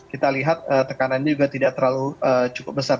kita lihat tekanannya juga tidak terlalu cukup besar